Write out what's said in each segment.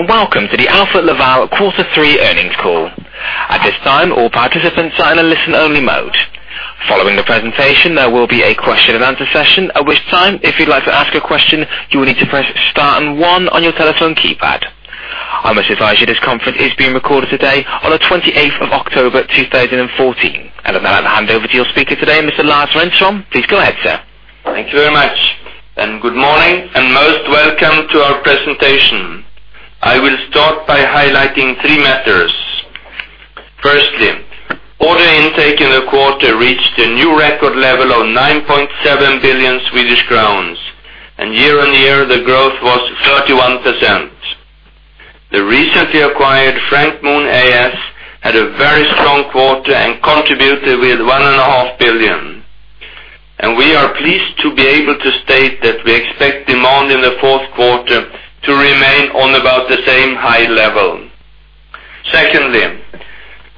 Welcome to the Alfa Laval quarter three earnings call. At this time, all participants are in a listen-only mode. Following the presentation, there will be a question-and-answer session, at which time, if you'd like to ask a question, you will need to press star and one on your telephone keypad. I must advise you, this conference is being recorded today on the 28th of October, 2014. With that, I hand over to your speaker today, Mr. Lars Renström. Please go ahead, sir. Thank you very much, good morning, and most welcome to our presentation. I will start by highlighting three matters. Firstly, order intake in the quarter reached a new record level of 9.7 billion Swedish crowns, year-on-year, the growth was 31%. The recently acquired Frank Mohn AS had a very strong quarter and contributed with 1.5 billion. We are pleased to be able to state that we expect demand in the fourth quarter to remain on about the same high level. Secondly,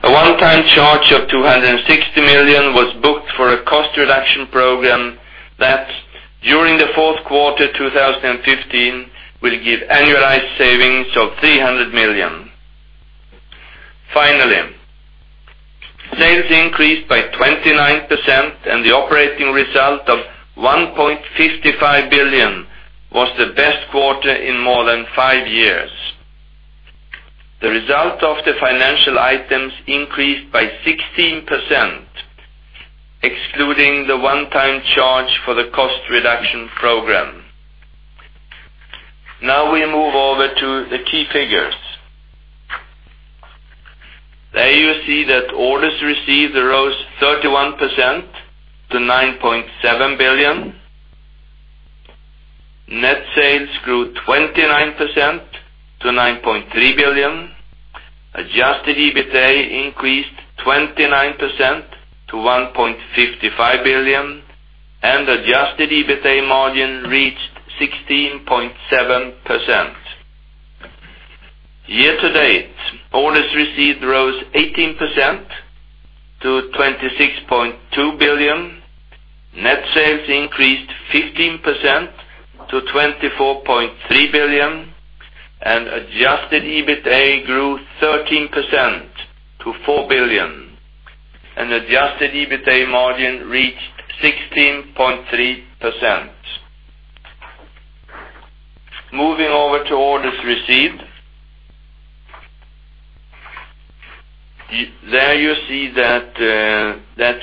a one-time charge of 260 million was booked for a cost reduction program that, during the fourth quarter 2015, will give annualized savings of 300 million. Finally, sales increased by 29%, and the operating result of 1.55 billion was the best quarter in more than five years. The result of the financial items increased by 16%, excluding the one-time charge for the cost reduction program. Now we move over to the key figures. There you see that orders received rose 31% to 9.7 billion. Net sales grew 29% to 9.3 billion. Adjusted EBITA increased 29% to 1.55 billion, adjusted EBITA margin reached 16.7%. Year to date, orders received rose 18% to 26.2 billion. Net sales increased 15% to 24.3 billion, adjusted EBITA grew 13% to 4 billion, adjusted EBITA margin reached 16.3%. Moving over to orders received. There you see that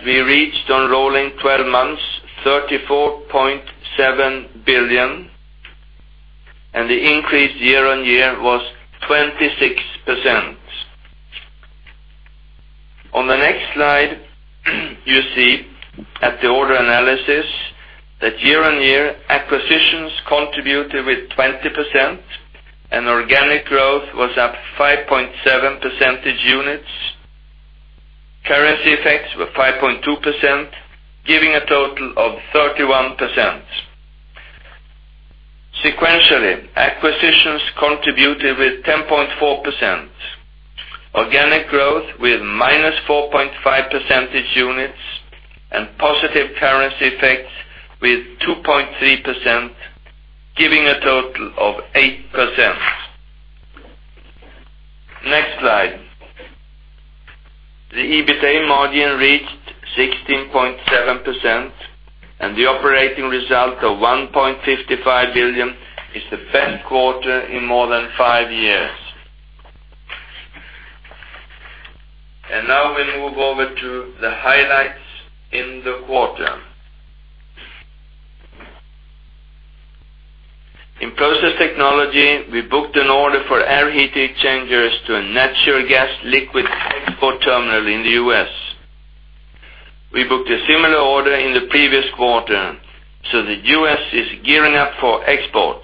we reached on rolling 12 months 34.7 billion, the increase year-on-year was 26%. On the next slide, you see at the order analysis that year-on-year, acquisitions contributed with 20%, organic growth was up 5.7 percentage units. Currency effects were 5.2%, giving a total of 31%. Sequentially, acquisitions contributed with 10.4%, organic growth with -4.5 percentage units, positive currency effects with 2.3%, giving a total of 8%. Next slide. The EBITA margin reached 16.7%, the operating result of 1.55 billion is the best quarter in more than five years. Now we move over to the highlights in the quarter. In process technology, we booked an order for air heat exchangers to a natural gas liquid export terminal in the U.S. We booked a similar order in the previous quarter, so the U.S. is gearing up for export.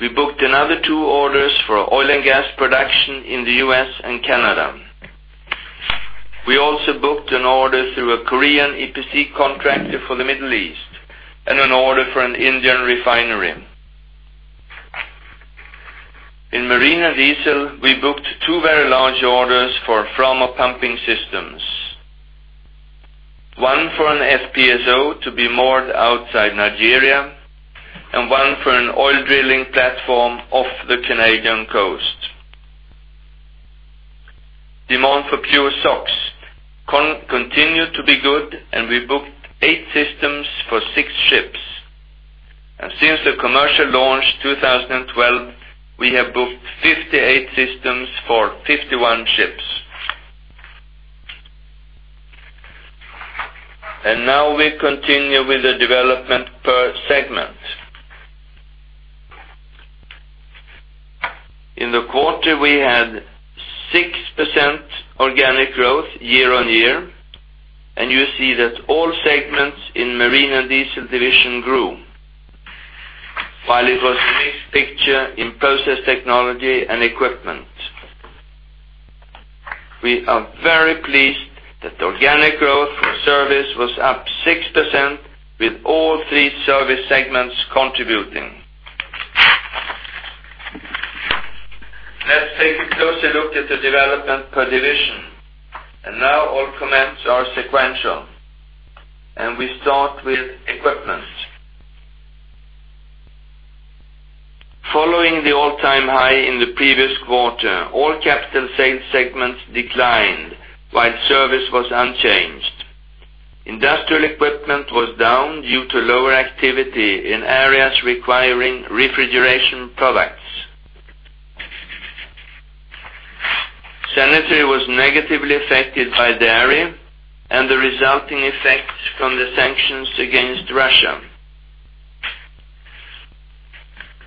We booked another two orders for oil and gas production in the U.S. and Canada. We also booked an order through a Korean EPC contractor for the Middle East, an order for an Indian refinery. In marine and diesel, we booked two very large orders for Framo pumping systems. One for an FPSO to be moored outside Nigeria, one for an oil drilling platform off the Canadian coast. Demand for PureSOx continued to be good. We booked eight systems for six ships. Since the commercial launch 2012, we have booked 58 systems for 51 ships. Now we continue with the development per segment. In the quarter, we had 6% organic growth year-on-year. You see that all segments in Marine and Diesel Division grew, while it was a mixed picture in Process Technology and Equipment. We are very pleased that the organic growth for service was up 6% with all three service segments contributing. Let's take a closer look at the development per division. Now all comments are sequential. We start with Equipment. Following the all-time high in the previous quarter, all capital sales segments declined while service was unchanged. Industrial Equipment was down due to lower activity in areas requiring refrigeration products. Sanitary was negatively affected by dairy and the resulting effect from the sanctions against Russia.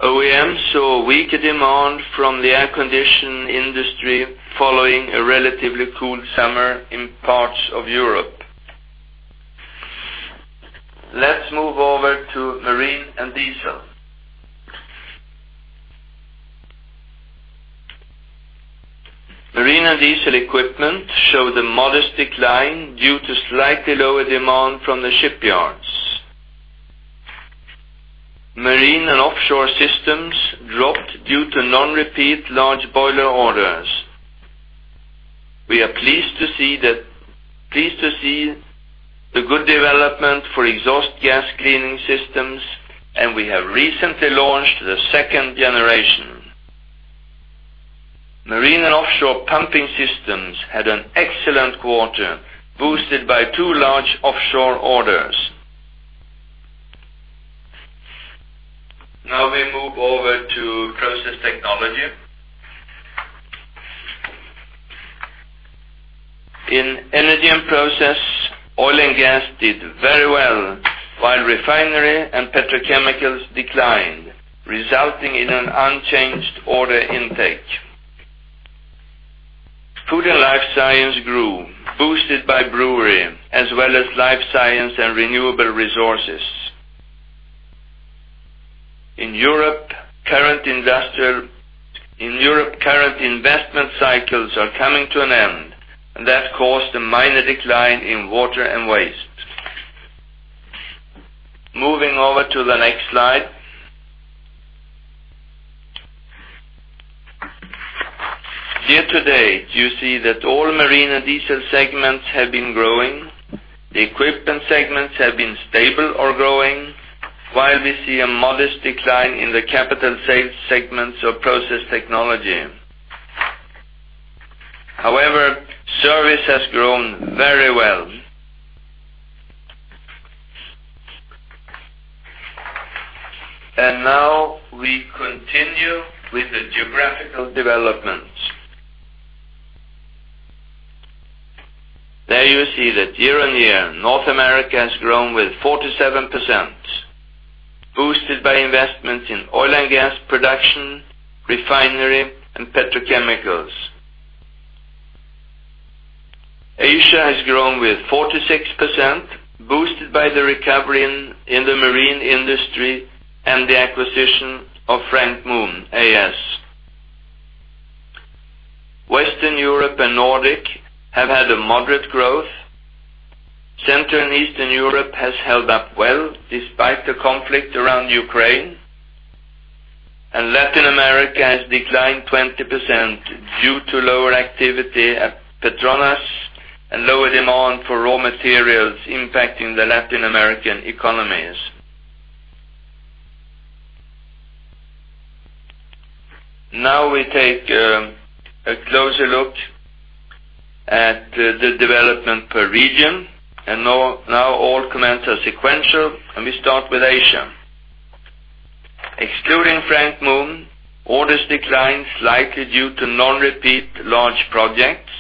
OEM saw weaker demand from the air condition industry following a relatively cool summer in parts of Europe. Let's move over to Marine and Diesel. Marine and Diesel Equipment showed a modest decline due to slightly lower demand from the shipyards. Marine and Offshore Systems dropped due to non-repeat large boiler orders. We are pleased to see the good development for exhaust gas cleaning systems, and we have recently launched the second generation. Marine and Offshore Pumping Systems had an excellent quarter, boosted by two large offshore orders. We move over to Process Technology. In Energy and Process, Oil and Gas did very well, while Refinery and Petrochemicals declined, resulting in an unchanged order intake. Food and Life Science grew, boosted by Brewery as well as Life Science and Renewable Resources. In Europe, current investment cycles are coming to an end, and that caused a minor decline in Water and Waste. Moving over to the next slide. Year-to-date, you see that all Marine and Diesel segments have been growing. The Equipment segments have been stable or growing, while we see a modest decline in the capital sales segments of Process Technology. However, service has grown very well. Now we continue with the geographical development. There you see that year-on-year, North America has grown with 47%, boosted by investments in Oil and Gas Production, Refinery, and Petrochemicals. Asia has grown with 46%, boosted by the recovery in the marine industry and the acquisition of Frank Mohn AS. Western Europe and Nordic have had a moderate growth. Central and Eastern Europe has held up well despite the conflict around Ukraine. Latin America has declined 20% due to lower activity at Petrobras and lower demand for raw materials impacting the Latin American economies. Now we take a closer look at the development per region. Now all comments are sequential. We start with Asia. Excluding Frank Mohn, orders declined slightly due to non-repeat large projects,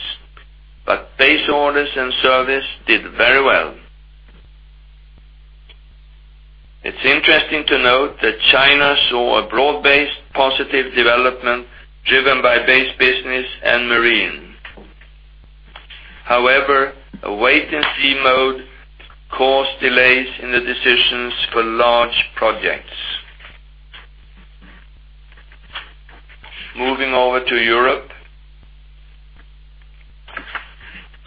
but base orders and service did very well. It's interesting to note that China saw a broad-based positive development driven by base business and Marine. However, a wait-and-see mode caused delays in the decisions for large projects. Moving over to Europe.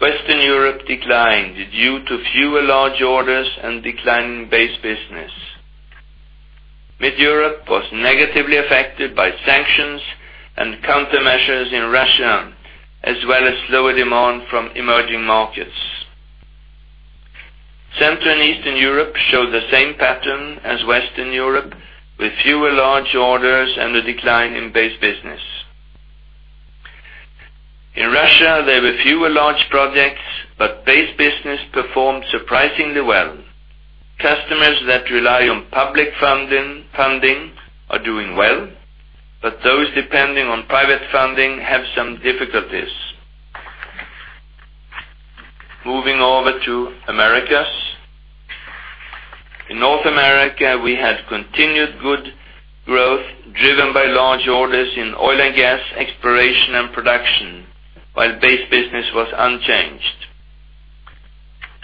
Western Europe declined due to fewer large orders and decline in base business. Mid Europe was negatively affected by sanctions and countermeasures in Russia, as well as lower demand from emerging markets. Central and Eastern Europe showed the same pattern as Western Europe, with fewer large orders and a decline in base business. In Russia, there were fewer large projects, but base business performed surprisingly well. Customers that rely on public funding are doing well, but those depending on private funding have some difficulties. Moving over to Americas. In North America, we had continued good growth driven by large orders in oil and gas exploration and production, while base business was unchanged.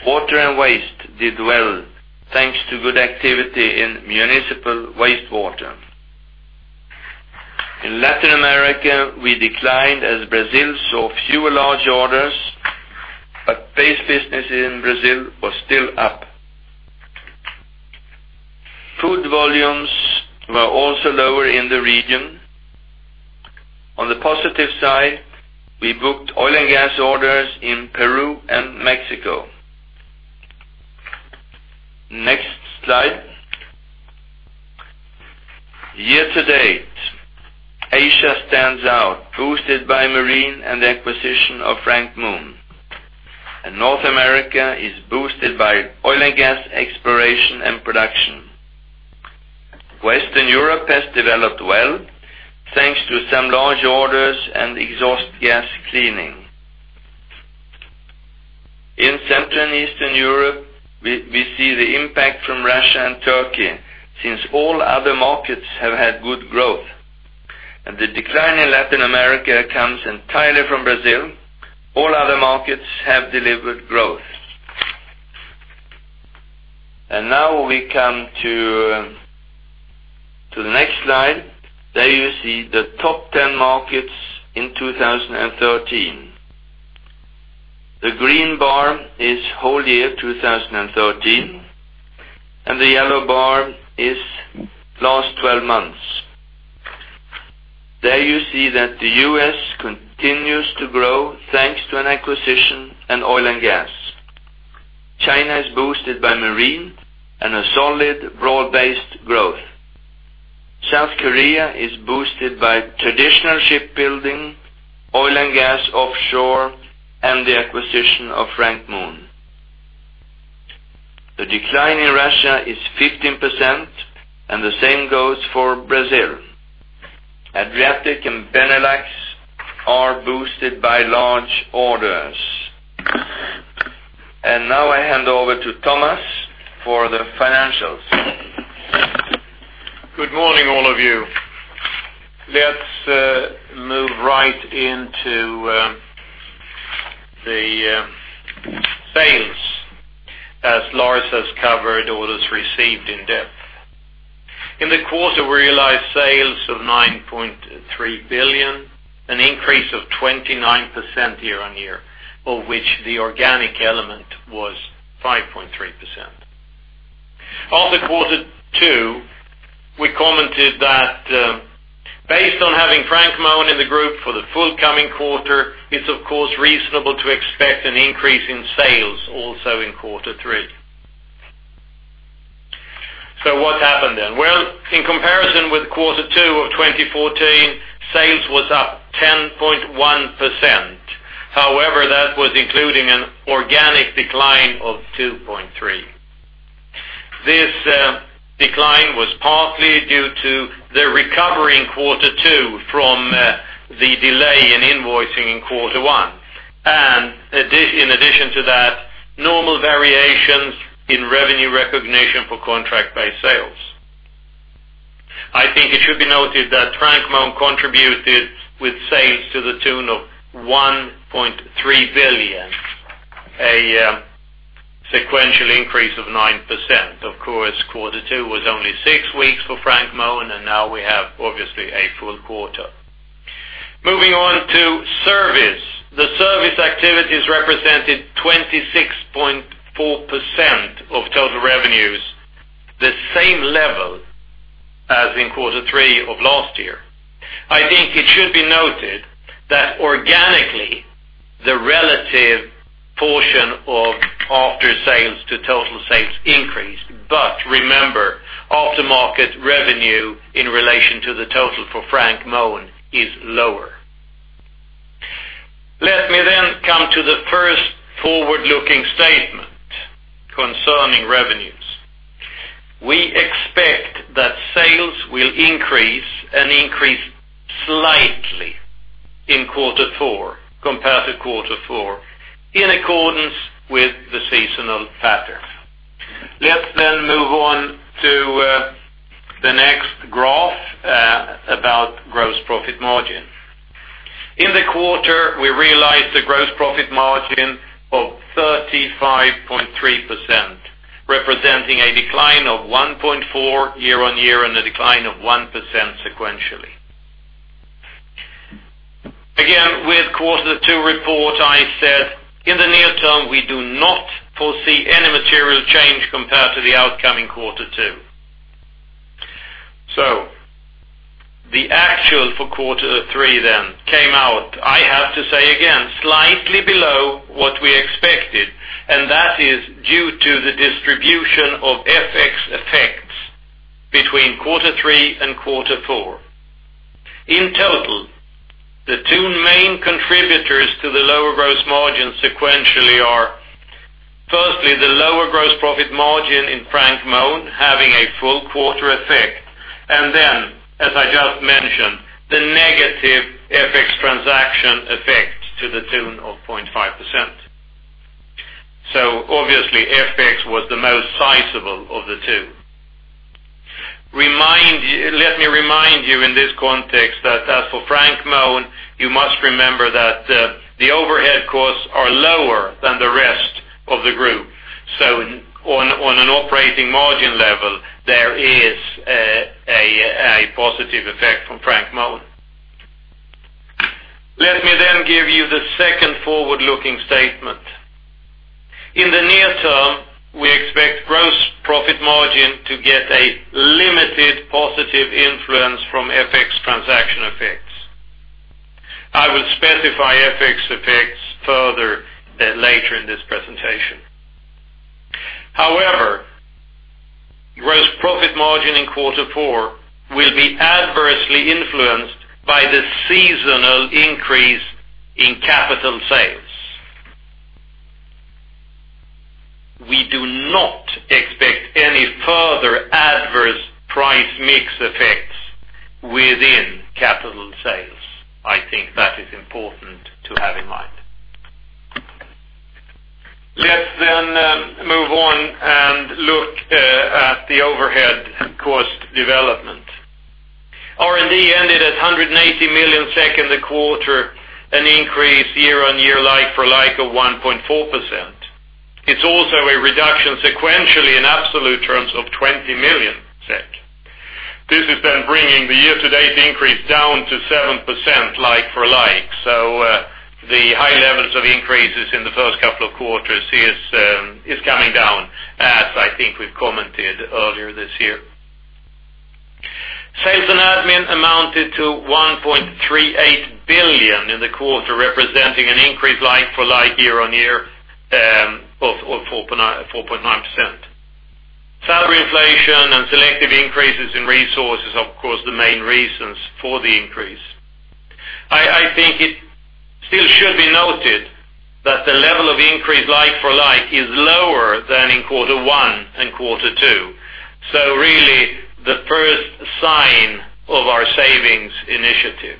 Water and waste did well, thanks to good activity in municipal wastewater. In Latin America, we declined as Brazil saw fewer large orders, but base business in Brazil was still up. Food volumes were also lower in the region. Positive side, we booked oil and gas orders in Peru and Mexico. Next slide. Year to date, Asia stands out, boosted by marine and acquisition of Frank Mohn. North America is boosted by oil and gas exploration and production. Western Europe has developed well, thanks to some large orders and exhaust gas cleaning. In Central and Eastern Europe, we see the impact from Russia and Turkey, since all other markets have had good growth. The decline in Latin America comes entirely from Brazil. All other markets have delivered growth. Now we come to the next slide. There you see the top 10 markets in 2013. The green bar is whole year 2013, and the yellow bar is last 12 months. There you see that the U.S. continues to grow thanks to an acquisition in oil and gas. China is boosted by marine and a solid broad-based growth. South Korea is boosted by traditional shipbuilding, oil and gas offshore, and the acquisition of Frank Mohn. The decline in Russia is 15%, and the same goes for Brazil. Adriatic and Benelux are boosted by large orders. Now I hand over to Thomas for the financials. Good morning, all of you. Let's move right into the sales, as Lars has covered orders received in depth. In the quarter, we realized sales of 9.3 billion, an increase of 29% year-on-year, of which the organic element was 5.3%. On the Quarter 2, we commented that based on having Frank Mohn in the group for the full coming quarter, it's of course reasonable to expect an increase in sales also in Quarter 3. What happened then? Well, in comparison with Quarter 2 of 2014, sales was up 10.1%. However, that was including an organic decline of 2.3%. This decline was partly due to the recovery in Quarter 2 from the delay in invoicing in Quarter 1. In addition to that, normal variations in revenue recognition for contract-based sales. I think it should be noted that Frank Mohn contributed with sales to the tune of 1.3 billion, a sequential increase of 9%. Of course, Quarter 2 was only six weeks for Frank Mohn, and now we have obviously a full quarter. Moving on to service. The service activities represented 26.4% of total revenues, the same level as in Quarter 3 of last year. I think it should be noted that organically, the relative portion of after sales to total sales increased. Remember, aftermarket revenue in relation to the total for Frank Mohn is lower. Let me come to the first forward-looking statement concerning revenues. We expect that sales will increase, and increase slightly, in Quarter 4 compared to Quarter 4, in accordance with the seasonal pattern. Let's move on to the next graph about gross profit margin. In the quarter, we realized a gross profit margin of 35.3%, representing a decline of 1.4% year-on-year and a decline of 1% sequentially. Again, with Quarter 2 report, I said, in the near term, we do not foresee any material change compared to the outcoming Quarter 2. The actual for Quarter 3 came out, I have to say again, slightly below what we expected, and that is due to the distribution of FX effects between Quarter 3 and Quarter 4. In total, the two main contributors to the lower gross margin sequentially are, firstly, the lower gross profit margin in Frank Mohn having a full quarter effect, and then, as I just mentioned, the negative FX transaction effect to the tune of 0.5%. Obviously, FX was the most sizable of the two. Let me remind you in this context that as for Frank Mohn, you must remember that the overhead costs are lower than the rest of the group. On an operating margin level, there is a positive effect from Frank Mohn. Let me give you the second forward-looking statement. In the near term, we expect to get a limited positive influence from FX transaction effects. I will specify FX effects further later in this presentation. However, gross profit margin in quarter four will be adversely influenced by the seasonal increase in capital sales. We do not expect any further adverse price mix effects within capital sales. I think that is important to have in mind. Let's move on and look at the overhead cost development. R&D ended at 180 million in the quarter, an increase year-on-year like-for-like of 1.4%. It's also a reduction sequentially in absolute terms of 20 million. This has been bringing the year-to-date increase down to 7% like-for-like. The high levels of increases in the first couple of quarters is coming down, as I think we've commented earlier this year. Sales and admin amounted to 1.38 billion in the quarter, representing an increase like-for-like year-on-year of 4.9%. Salary inflation and selective increases in resources, of course, the main reasons for the increase. I think it still should be noted that the level of increase like-for-like is lower than in quarter one and quarter two. Really the first sign of our savings initiative.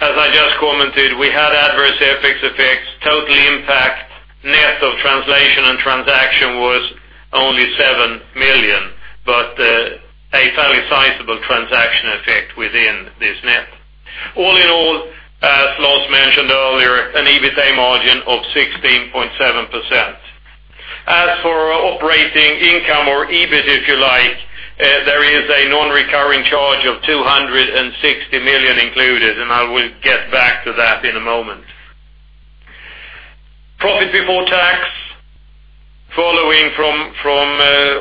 As I just commented, we had adverse FX effects. Total impact net of translation and transaction was only 7 million, but a fairly sizable transaction effect within this net. All in all, as Lars mentioned earlier, an EBITA margin of 16.7%. As for operating income or EBIT, if you like, there is a non-recurring charge of 260 million included, and I will get back to that in a moment. Profit before tax, following from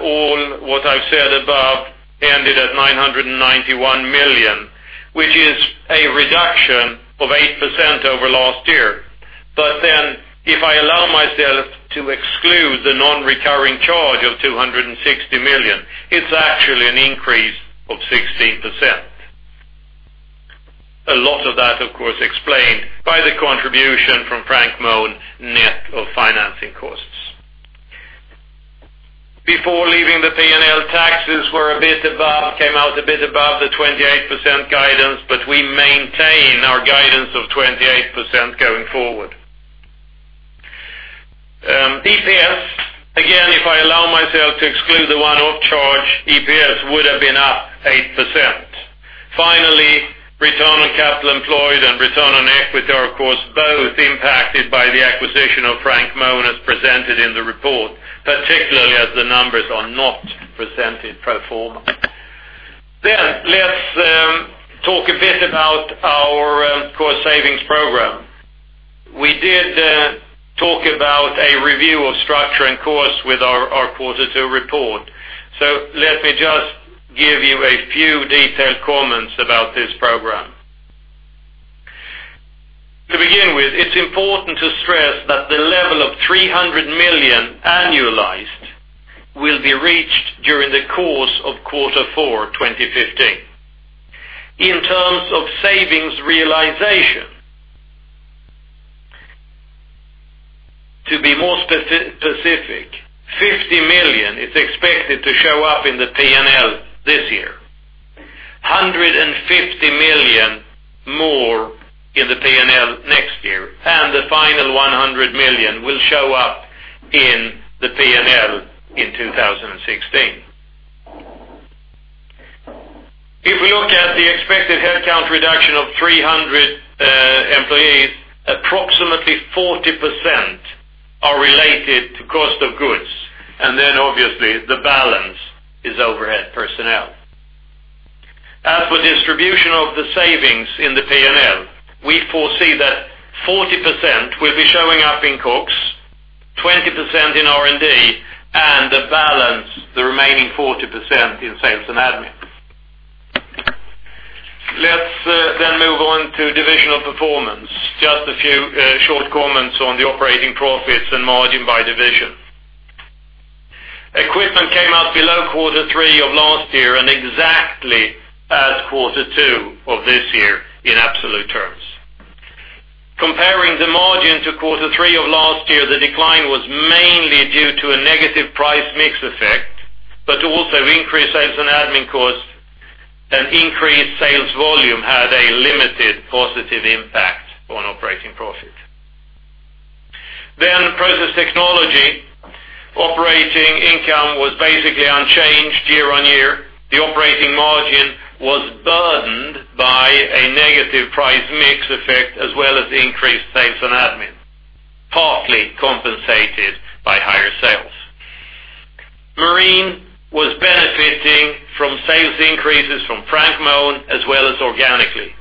all what I've said above, ended at 991 million, which is a reduction of 8% over last year. If I allow myself to exclude the non-recurring charge of 260 million, it's actually an increase of 16%. A lot of that, of course, explained by the contribution from Frank Mohn net of financing costs. Before leaving the P&L, taxes came out a bit above the 28% guidance, we maintain our guidance of 28% going forward. EPS, again, if I allow myself to exclude the one-off charge, EPS would have been up 8%. Finally, return on capital employed and return on equity are, of course, both impacted by the acquisition of Frank Mohn as presented in the report, particularly as the numbers are not presented pro forma. Let's talk a bit about our cost savings program. We did talk about a review of structure and cost with our quarter two report. Let me just give you a few detailed comments about this program. To begin with, it's important to stress that the level of 300 million annualized will be reached during the course of quarter four 2015. In terms of savings realization, to be more specific, 50 million is expected to show up in the P&L this year, 150 million more in the P&L next year, and the final 100 million will show up in the P&L in 2016. If we look at the expected headcount reduction of 300 employees, approximately 40% are related to cost of goods, the balance is overhead personnel. As for distribution of the savings in the P&L, we foresee that 40% will be showing up in COGS, 20% in R&D, and the balance, the remaining 40%, in sales and admin. Let's move on to divisional performance. Just a few short comments on the operating profits and margin by division. Equipment came out below quarter three of last year and exactly as quarter two of this year in absolute terms. Comparing the margin to quarter three of last year, the decline was mainly due to a negative price mix effect, also increased sales and admin costs and increased sales volume had a limited positive impact on operating profit. Process technology. Operating income was basically unchanged year-on-year. The operating margin was burdened by a negative price mix effect as well as increased sales and admin, partly compensated by higher sales. Marine was benefiting from sales increases from Frank Mohn as well as organically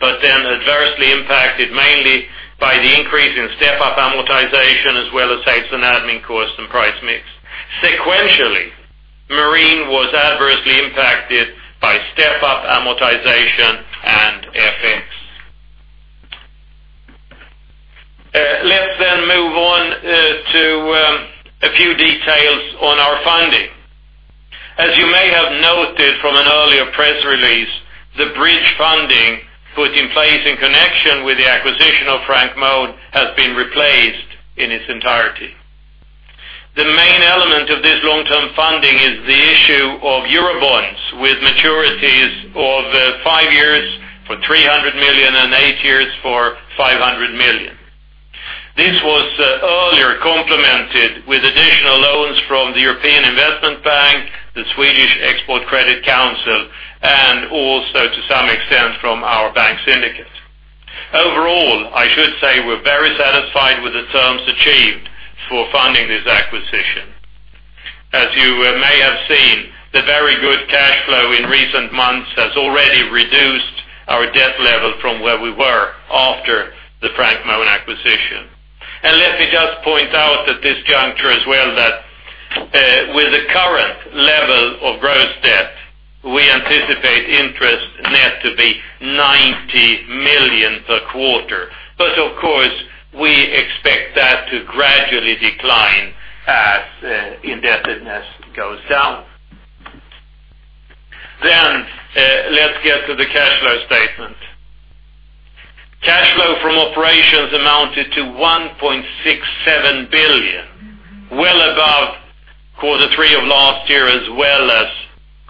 adversely impacted mainly by the increase in step-up amortization, as well as sales and admin costs and price mix. Sequentially, Marine was adversely impacted by step-up amortization and FX. Let's move on to a few details on our funding. As you may have noted from an earlier press release, the bridge funding put in place in connection with the acquisition of Frank Mohn has been replaced in its entirety. The main element of this long-term funding is the issue of Eurobonds, with maturities of five years for 300 million and eight years for 500 million. This was earlier complemented with additional loans from the European Investment Bank, the Swedish Export Credit Corporation, and also to some extent from our bank syndicate. Overall, I should say we're very satisfied with the terms achieved for funding this acquisition. As you may have seen, the very good cash flow in recent months has already reduced our debt level from where we were after the Frank Mohn acquisition. Let me just point out at this juncture as well that, with the current level of gross debt, we anticipate interest net to be 90 million per quarter. Of course, we expect that to gradually decline as indebtedness goes down. Let's get to the cash flow statement. Cash flow from operations amounted to 1.67 billion, well above Q3 of last year, as well as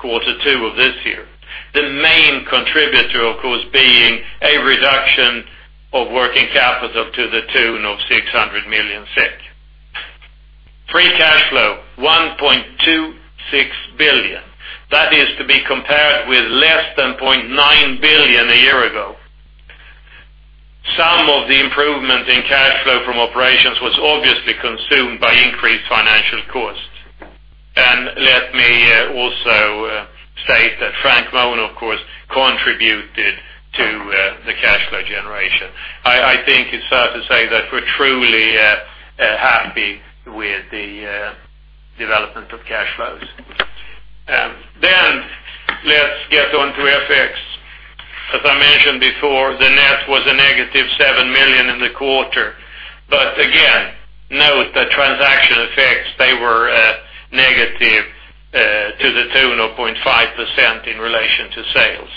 Q2 of this year. The main contributor, of course, being a reduction of working capital to the tune of 600 million. Free cash flow, 1.26 billion. That is to be compared with less than 0.9 billion a year ago. Some of the improvement in cash flow from operations was obviously consumed by increased financial costs. Let me also state that Frank Mohn, of course, contributed to the cash flow generation. I think it's fair to say that we're truly happy with the development of cash flows. Let's get onto FX. As I mentioned before, the net was a negative 7 million in the quarter, but again, note that transaction effects, they were negative to the tune of 0.5% in relation to sales.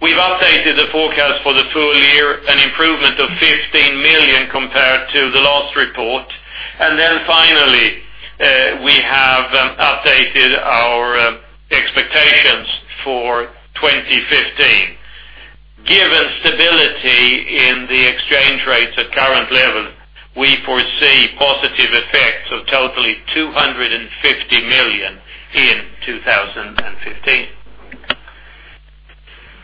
We've updated the forecast for the full year, an improvement of 15 million compared to the last report. Finally, we have updated our expectations for 2015. Given stability in the exchange rates at current levels, we foresee positive effects of totally 250 million in 2015.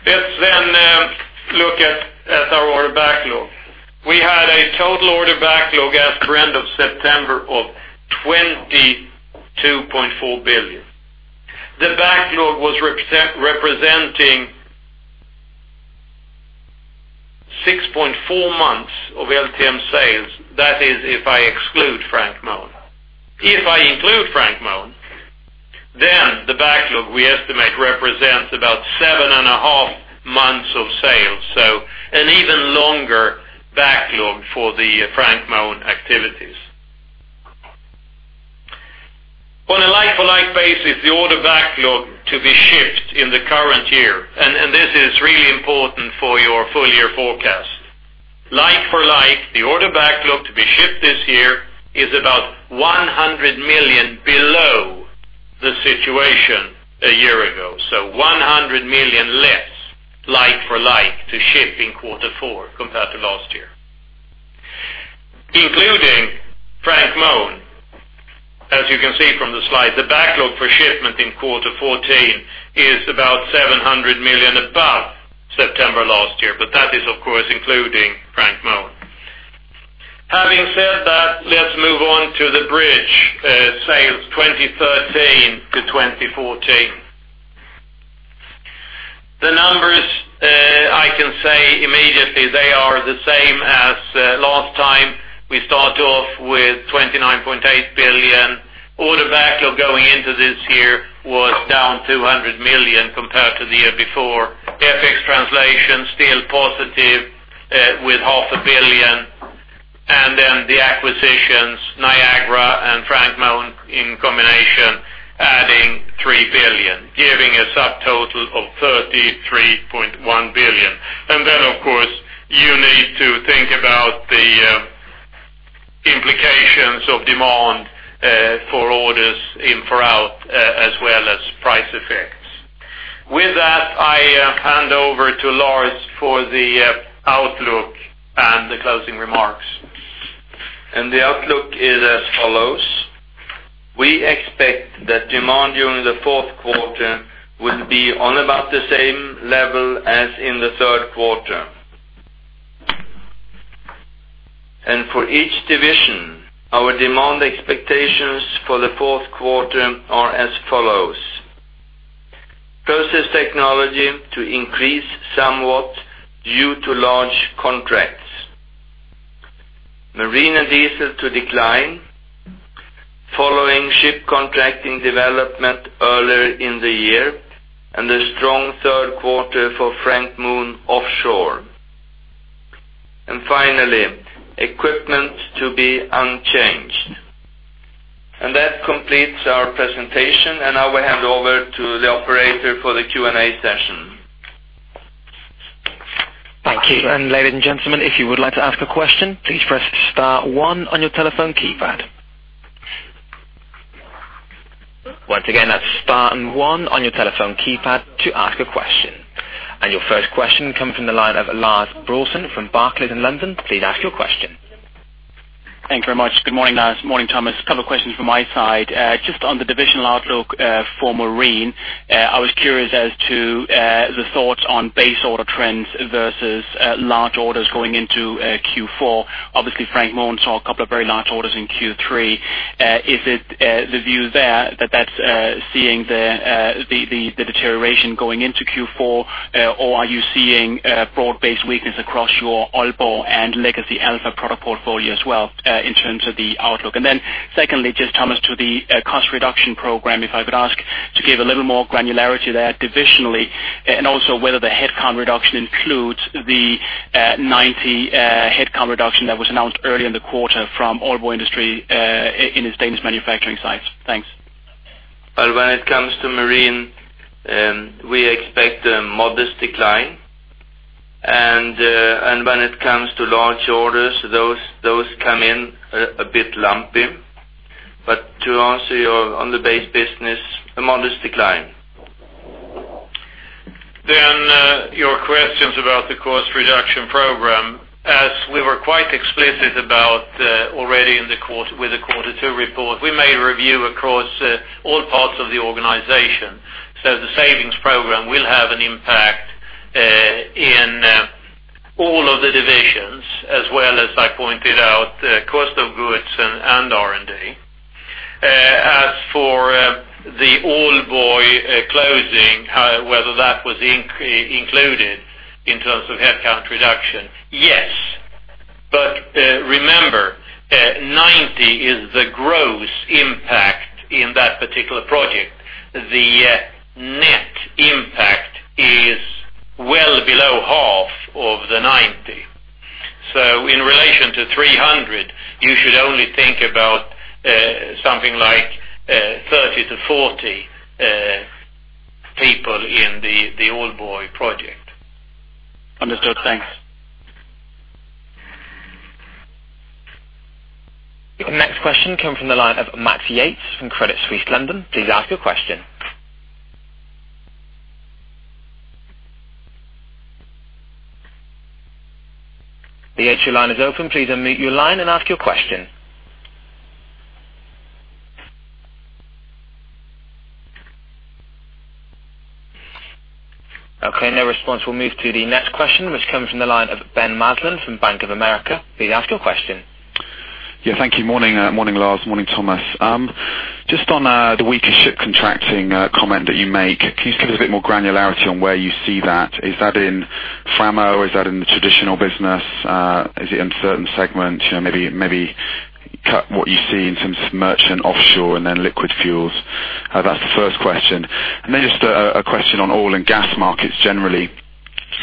Let's look at our order backlog. We had a total order backlog as per end of September of 22.4 billion. The backlog was representing 6.4 months of LTM sales, that is, if I exclude Frank Mohn. If I include Frank Mohn, the backlog we estimate represents about seven and a half months of sales, so an even longer backlog for the Frank Mohn activities. On a like-for-like basis, the order backlog to be shipped in the current year, and this is really important for your full-year forecast. Like-for-like, the order backlog to be shipped this year is about 100 million below the situation a year ago, so 100 million less like-for-like to ship in Q4 compared to last year. Including Frank Mohn, as you can see from the slide, the backlog for shipment in Q4 is about 700 million above September last year, but that is, of course, including Frank Mohn. Having said that, let's move on to the bridge sales 2013 to 2014. The numbers, I can say immediately, they are the same as last time. We start off with 29.8 billion. Order backlog going into this year was down 200 million compared to the year before. FX translation, still positive with SEK half a billion. The acquisitions, Niagara and Frank Mohn in combination, adding 3 billion, giving a subtotal of 33.1 billion. Of course, you need to think about the implications of demand for orders in for out as well as price effects. With that, I hand over to Lars for the outlook and the closing remarks. The outlook is as follows. We expect that demand during the fourth quarter will be on about the same level as in the third quarter. For each division, our demand expectations for the fourth quarter are as follows. Process technology to increase somewhat due to large contracts. Marine and diesel to decline, following ship contracting development earlier in the year, and a strong third quarter for Frank Mohn Offshore. Finally, equipment to be unchanged. That completes our presentation, and I will hand over to the operator for the Q&A session. Thank you. Ladies and gentlemen, if you would like to ask a question, please press star one on your telephone keypad. Once again, that's star and one on your telephone keypad to ask a question. Your first question comes from the line of Lars Braathen from Barclays in London. Please ask your question. Thank you very much. Good morning, Lars. Morning, Thomas. A couple of questions from my side. Just on the divisional outlook for Marine, I was curious as to the thoughts on base order trends versus large orders going into Q4. Obviously, Frank Mohn saw a couple of very large orders in Q3. Is it the view there that that's seeing the deterioration going into Q4? Or are you seeing broad-based weakness across your Aalborg and legacy Alfa product portfolio as well, in terms of the outlook? Secondly, just Thomas, to the cost reduction program, if I could ask to give a little more granularity there divisionally, and also whether the headcount reduction includes the 90 headcount reduction that was announced early in the quarter from Aalborg Industries, in its Danish manufacturing site. Thanks. Well, when it comes to Marine, we expect a modest decline. When it comes to large orders, those come in a bit lumpy. To answer you on the base business, a modest decline. Your questions about the cost reduction program, as we were quite explicit about already with the quarter 2 report, we made a review across all parts of the organization. The savings program will have an impact, in all of the divisions as well as I pointed out, cost of goods and R&D. For the Aalborg closing, whether that was included in terms of headcount reduction. Yes. Remember, 90 is the gross impact in that particular project. The net impact is well below half of the 90. In relation to 300, you should only think about something like 30 to 40 people in the Aalborg project. Understood. Thanks. The next question comes from the line of Max Yates from Credit Suisse, London. Please ask your question. The HO line is open. Please unmute your line and ask your question. Okay, no response. We'll move to the next question, which comes from the line of Ben Uglow from Bank of America. Please ask your question. Thank you. Morning, Lars. Morning, Thomas. Just on the weaker ship contracting comment that you make. Can you just give us a bit more granularity on where you see that? Is that in Framo or is that in the traditional business? Is it in certain segments? Maybe cut what you see in terms of merchant offshore and then liquid fuels. That's the first question. Just a question on oil and gas markets generally.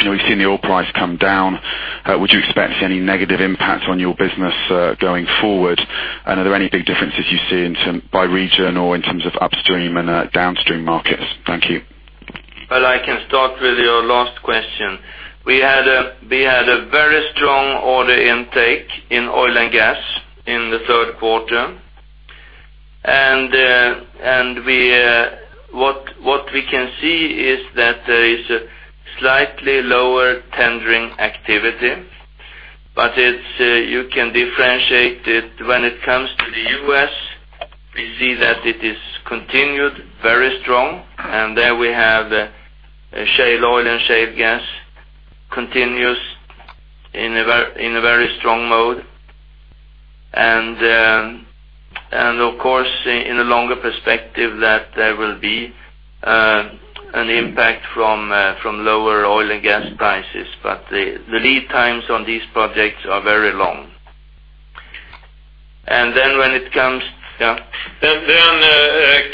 We've seen the oil price come down. Would you expect any negative impact on your business, going forward? Are there any big differences you see by region or in terms of upstream and downstream markets? Thank you. I can start with your last question. We had a very strong order intake in oil and gas in the third quarter. What we can see is that there is a slightly lower tendering activity, but you can differentiate it when it comes to the U.S., we see that it is continued very strong, and there we have shale oil and shale gas continuous in a very strong mode. Of course, in a longer perspective that there will be an impact from lower oil and gas prices, but the lead times on these projects are very long.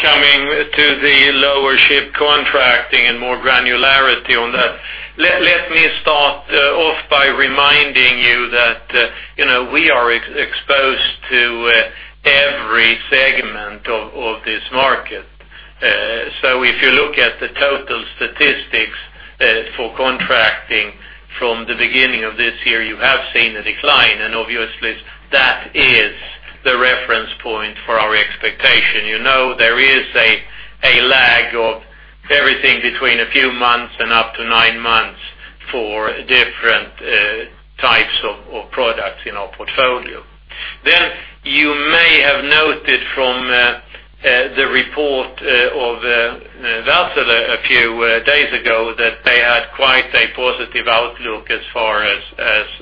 Coming to the lower ship contracting and more granularity on that. Let me start off by reminding you that we are exposed to every segment of this market. If you look at the total statistics for contracting from the beginning of this year, you have seen a decline and obviously that is the reference point for our expectation. You know, there is a lag of everything between a few months and up to nine months for different types of products in our portfolio. You may Report of Wärtsilä a few days ago, that they had quite a positive outlook as far as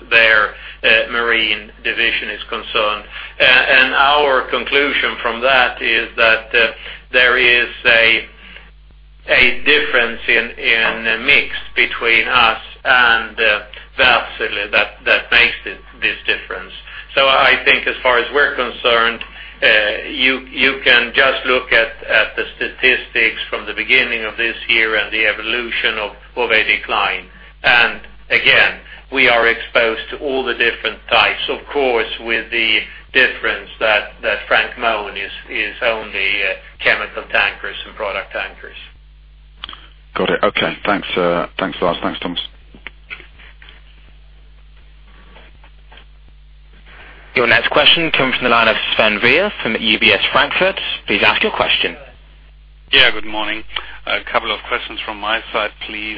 their marine division is concerned. Our conclusion from that is that there is a difference in mix between us and Wärtsilä that makes this difference. I think as far as we're concerned, you can just look at the statistics from the beginning of this year and the evolution of a decline. Again, we are exposed to all the different types, of course, with the difference that Frank Mohn is only chemical tankers and product tankers. Got it. Okay. Thanks, Lars. Thanks, Thomas. Your next question comes from the line of Sven Weier from UBS Frankfurt. Please ask your question. Yeah, good morning. A couple of questions from my side, please.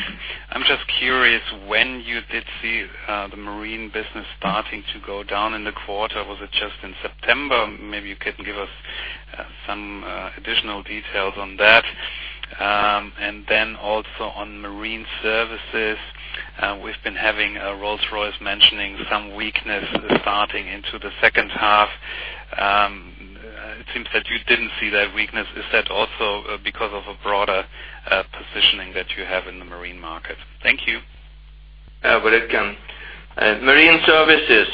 I'm just curious, when you did see the marine business starting to go down in the quarter, was it just in September? Maybe you can give us some additional details on that. Then also on marine services, we've been having Rolls-Royce mentioning some weakness starting into the second half. It seems that you didn't see that weakness. Is that also because of a broader positioning that you have in the marine market? Thank you. Well, it can. Marine services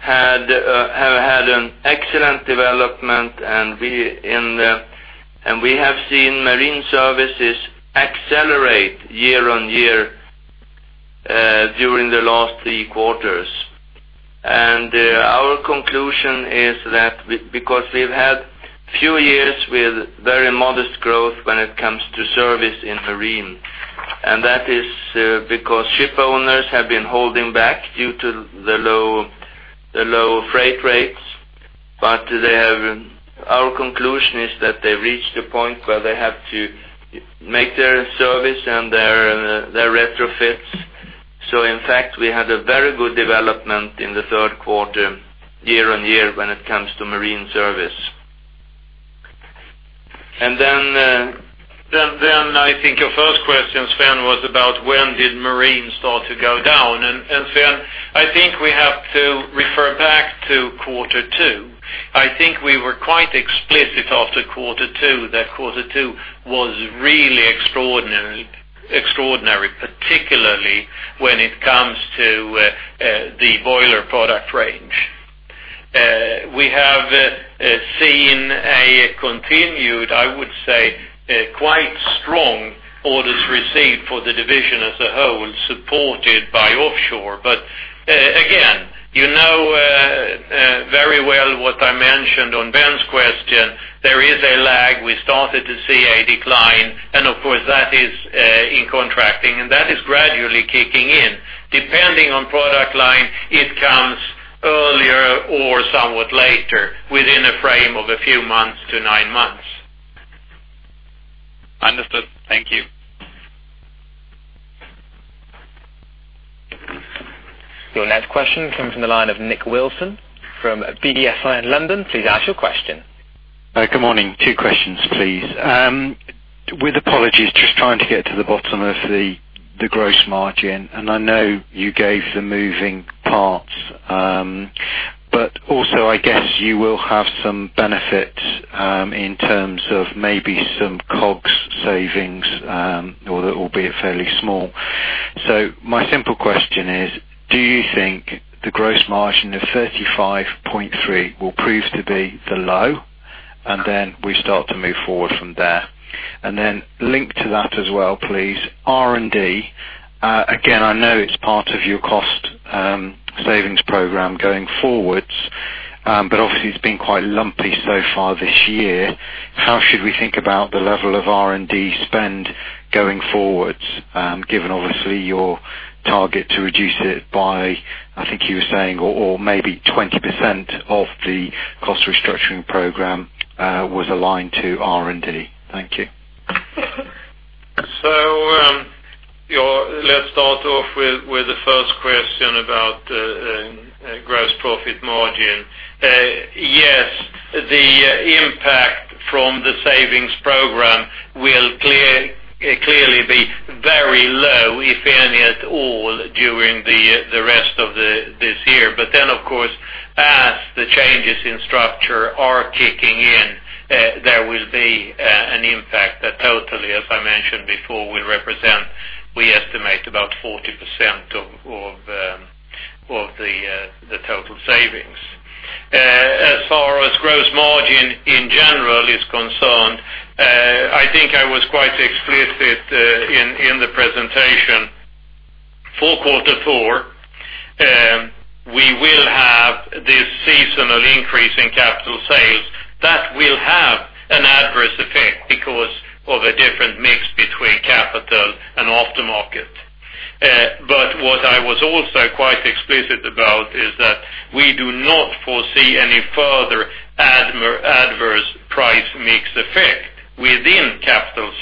have had an excellent development. We have seen marine services accelerate year-on-year, during the last three quarters. Our conclusion is that because we've had few years with very modest growth when it comes to service in marine, and that is because ship owners have been holding back due to the low freight rates. Our conclusion is that they've reached a point where they have to make their service and their retrofits. In fact, we had a very good development in the third quarter, year-on-year, when it comes to marine service. Then, I think your first question, Sven, was about when did marine start to go down? Sven, I think we have to refer back to quarter two. I think we were quite explicit after quarter two, that quarter two was really extraordinary, particularly when it comes to the boiler product range. We have seen a continued, I would say, quite strong orders received for the division as a whole, supported by offshore. Again, you know very well what I mentioned on Ben's question, there is a lag. We started to see a decline. Of course, that is in contracting, and that is gradually kicking in. Depending on product line, it comes earlier or somewhat later, within a frame of a few months to nine months. Understood. Thank you. Your next question comes from the line of Nick Wilson from Berenberg in London. Please ask your question. Good morning. Two questions, please. With apologies, just trying to get to the bottom of the gross margin. I know you gave the moving parts. Also, I guess you will have some benefit, in terms of maybe some COGS savings, although it will be fairly small. My simple question is, do you think the gross margin of 35.3% will prove to be the low? Then we start to move forward from there. Then linked to that as well, please, R&D. Again, I know it's part of your cost savings program going forwards. Obviously, it's been quite lumpy so far this year. How should we think about the level of R&D spend going forwards? Given obviously your target to reduce it by, I think you were saying, or maybe 20% of the cost restructuring program, was aligned to R&D. Thank you. Let's start off with the first question about gross profit margin. Yes, the impact from the savings program will clearly be very low, if any at all, during the rest of this year. Then, of course, as the changes in structure are kicking in, there will be an impact that totally, as I mentioned before, will represent, we estimate about 40% of the total savings. As far as gross margin in general is concerned, I think I was quite explicit in the presentation. For quarter four, we will have this seasonal increase in capital sales that will have an adverse effect because of a different mix between capital and aftermarket. What I was also quite explicit about is that we do not foresee any further adverse price mix effect within capital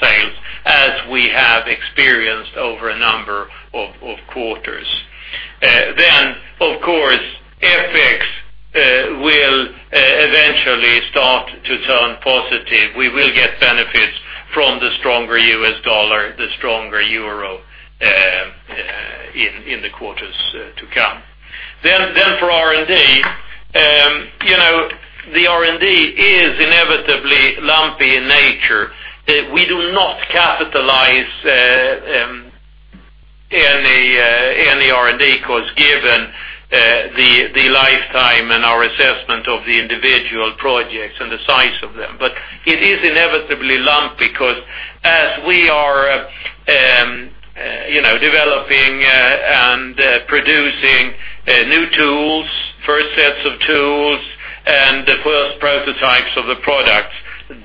number of quarters. Then, of course, FX will eventually start to turn positive. We will get benefits from the stronger US dollar, the stronger EUR in the quarters to come. For R&D, the R&D is inevitably lumpy in nature. We do not capitalize any R&D costs, given the lifetime and our assessment of the individual projects and the size of them. It is inevitably lumpy, because as we are developing and producing new tools, first sets of tools, and the first prototypes of the products,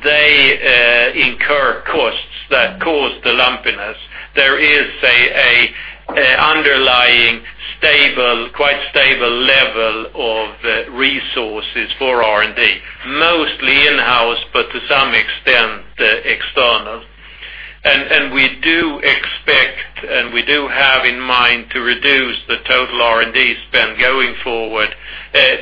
they incur costs that cause the lumpiness. There is an underlying quite stable level of resources for R&D, mostly in-house, but to some extent, external. We do expect, and we do have in mind to reduce the total R&D spend going forward,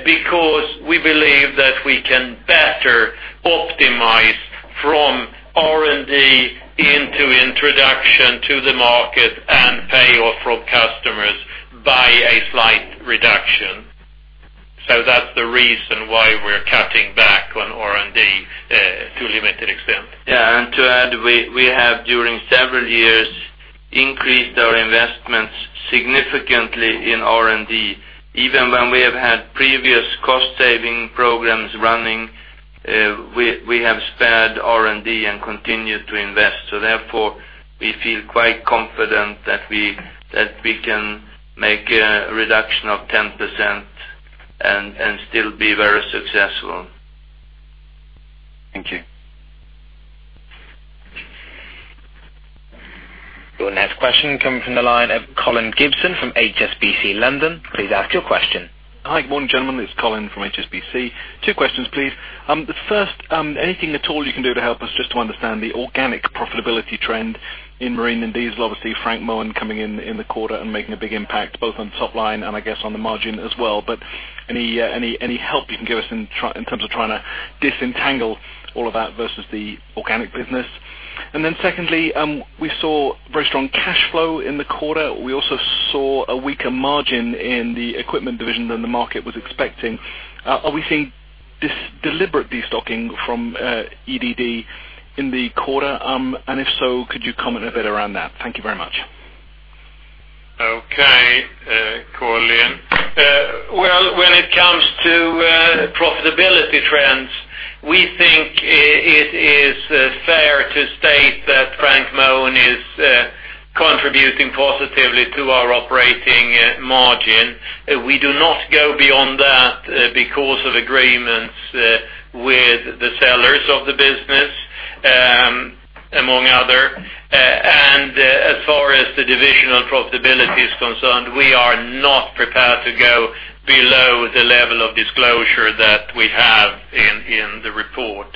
because we believe that we can better optimize from R&D into introduction to the market and payoff from customers by a slight reduction. That's the reason why we're cutting back on R&D to a limited extent. To add, we have, during several years, increased our investments significantly in R&D. Even when we have had previous cost-saving programs running, we have spared R&D and continued to invest. Therefore, we feel quite confident that we can make a reduction of 10% and still be very successful. Thank you. Your next question comes from the line of Colin Gibson from HSBC, London. Please ask your question. Hi. Good morning, gentlemen. It's Colin from HSBC. Two questions, please. The first, anything at all you can do to help us just to understand the organic profitability trend in marine and diesel? Obviously, Frank Mohn coming in in the quarter and making a big impact, both on top line and I guess on the margin as well. Any help you can give us in terms of trying to disentangle all of that versus the organic business? Secondly, we saw very strong cash flow in the quarter. We also saw a weaker margin in the equipment division than the market was expecting. Are we seeing deliberate destocking from EDD in the quarter? If so, could you comment a bit around that? Thank you very much. Okay, Colin. Well, when it comes to profitability trends, we think it is fair to state that Frank Mohn is contributing positively to our operating margin. We do not go beyond that because of agreements with the sellers of the business, among other. As far as the divisional profitability is concerned, we are not prepared to go below the level of disclosure that we have in the report.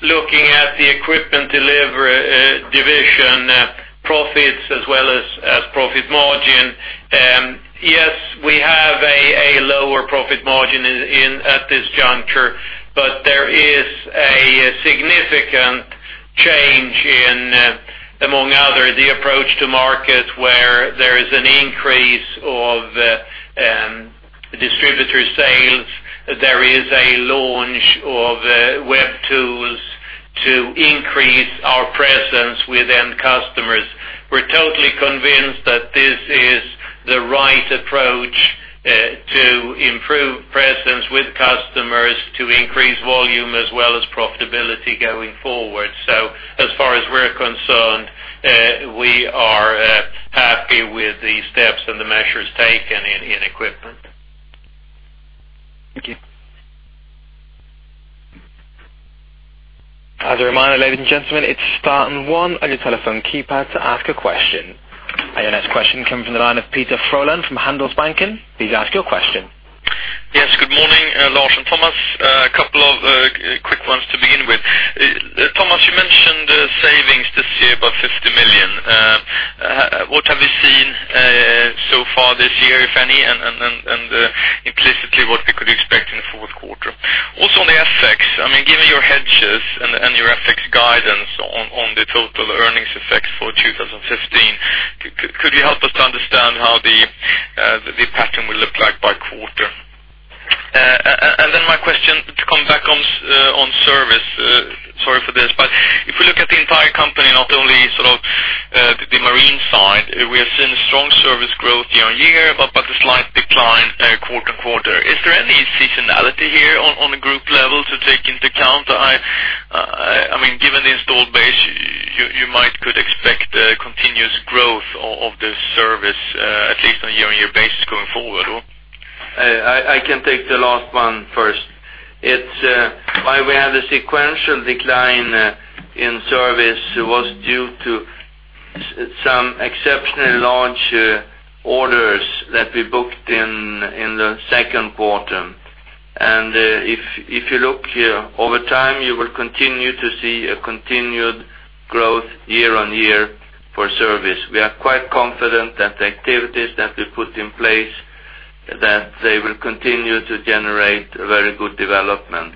Looking at the equipment division profits as well as profit margin, yes, we have a lower profit margin at this juncture, but there is a significant change in, among other, the approach to market, where there is an increase of distributor sales. There is a launch of web tools to increase our presence with end customers. We're totally convinced that this is the right approach to improve presence with customers, to increase volume as well as profitability going forward. As far as we're concerned, we are happy with the steps and the measures taken in equipment. Thank you. As a reminder, ladies and gentlemen, it's star and one on your telephone keypad to ask a question. Your next question comes from the line of Peter Frölund from Handelsbanken. Please ask your question. Yes. Good morning, Lars and Thomas. A couple of quick ones to begin with. Thomas, you mentioned savings this year by 50 million. What have you seen so far this year, if any, and implicitly what we could expect in the fourth quarter? Also on the FX, given your hedges and your FX guidance on the total earnings effect for 2015, could you help us to understand how the pattern will look like by quarter? My question, to come back on service, sorry for this, but if we look at the entire company, not only the marine side, we have seen a strong service growth year-on-year, but a slight decline quarter-on-quarter. Is there any seasonality here on a group level to take into account? Given the installed base, you might could expect continuous growth of the service, at least on a year-on-year basis going forward. I can take the last one first. Why we had a sequential decline in service was due to some exceptionally large orders that we booked in the second quarter. If you look here, over time, you will continue to see a continued growth year-on-year for service. We are quite confident that the activities that we put in place, that they will continue to generate a very good development.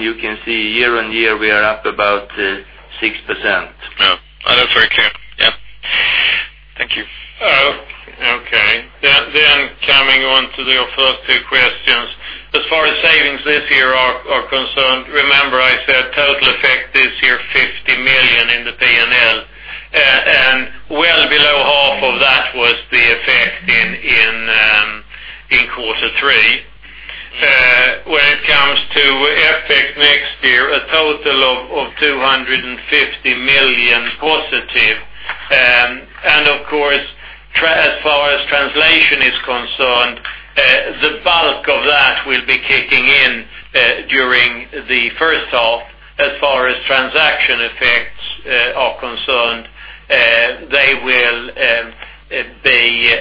You can see year-on-year, we are up about 6%. Yeah. That is very clear. Yeah. Thank you. Okay. Coming on to your first two questions. As far as savings this year are concerned, remember I said total effect this year, 50 million in the P&L. Well below half of that was the effect in quarter three. When it comes to effect next year, a total of 250 million positive. Of course, as far as translation is concerned, the bulk of that will be kicking in during the first half. As far as transaction effects are concerned, they will be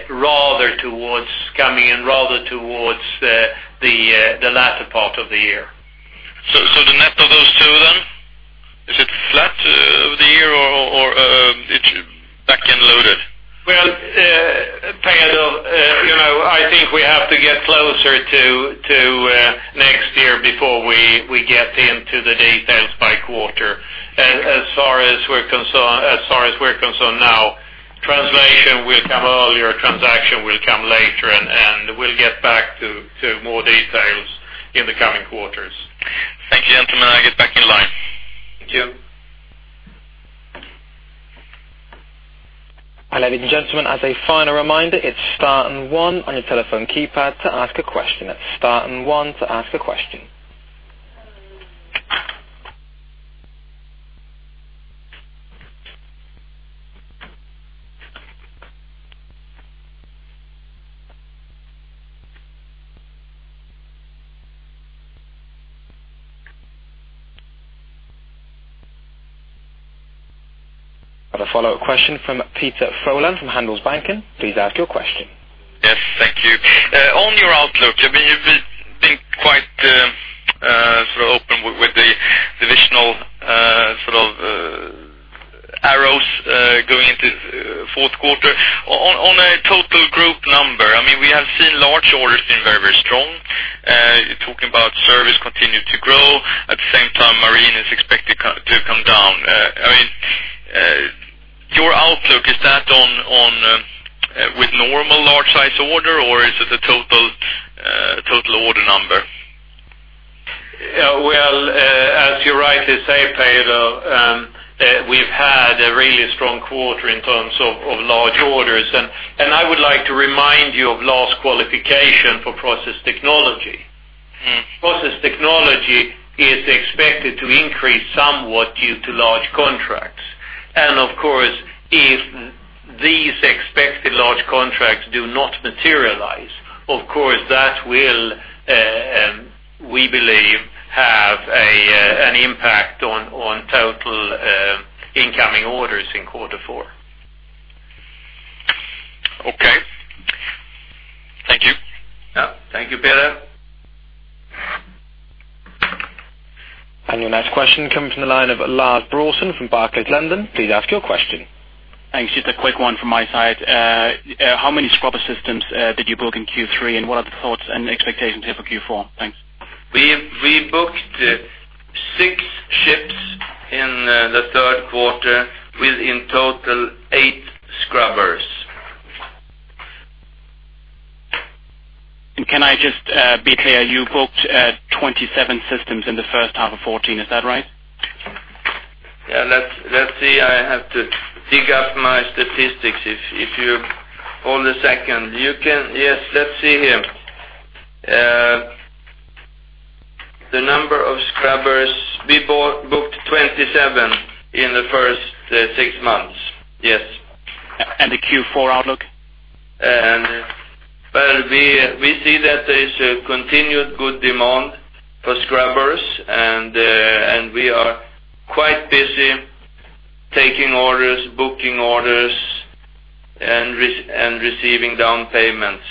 coming in rather towards the latter part of the year. The net of those two? Is it flat the year or it's back end loaded? Peter, I think we have to get closer to next year before we get into the details by quarter. As far as we're concerned now, translation will come earlier, transaction will come later, and we'll get back to more details in the coming quarters. Thank you, gentlemen. I'll get back in line. Thank you. ladies and gentlemen, as a final reminder, it's star and one on your telephone keypad to ask a question. It's star and one to ask a question. Got a follow-up question from Peter Frölund from Handelsbanken. Please ask your question. Yes, thank you. On your outlook, you've been quite sort of open with the divisional sort of arrows going into Q4. On a total group number, we have seen large orders being very, very strong. You're talking about service continue to grow. At the same time, marine is expected to come down. Your outlook, is that with normal large size order or is it a total order number? As you rightly say, Peter, we've had a really strong quarter in terms of large orders, and I would like to remind you of Lars's qualification for process technology. Process technology is expected to increase somewhat due to large contracts. Of course, if these expected large contracts do not materialize, of course, that will, we believe, have an impact on total incoming orders in Q4. Okay. Thank you. Yeah. Thank you, Peter. Your next question comes from the line of Lars Braathen from Barclays, London. Please ask your question. Thanks. Just a quick one from my side. How many scrubber systems did you book in Q3, and what are the thoughts and expectations here for Q4? Thanks. We booked 6 ships in the 3rd quarter, with in total, 8 scrubbers. Can I just be clear, you booked 27 systems in the 1st half of 2014, is that right? Yeah, let's see. I have to dig up my statistics. If you hold a second. Yes. Let's see here. The number of scrubbers, we booked 27 in the 1st 6 months. Yes. The Q4 outlook? We see that there is a continued good demand for scrubbers, and we are quite busy taking orders, booking orders, and receiving down payments.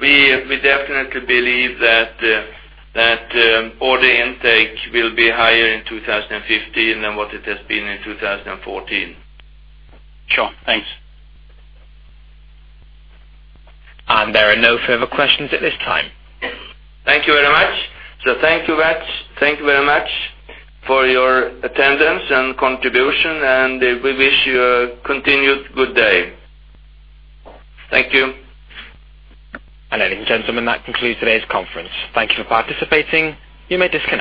We definitely believe that order intake will be higher in 2015 than what it has been in 2014. Sure. Thanks. There are no further questions at this time. Thank you very much. Thank you very much for your attendance and contribution, and we wish you a continued good day. Thank you. Ladies and gentlemen, that concludes today's conference. Thank you for participating. You may disconnect.